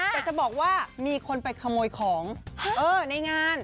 แต่จะบอกว่ามีคนไปขโมยของในงาน